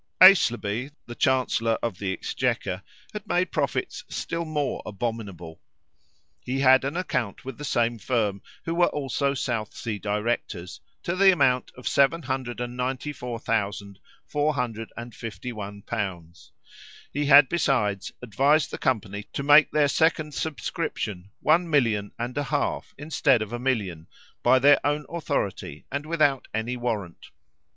Aislabie, the Chancellor of the Exchequer, had made profits still more abominable. He had an account with the same firm, who were also South Sea directors, to the amount of 794,451l. He had, besides, advised the company to make their second subscription one million and a half, instead of a million, by their own authority, and without any warrant.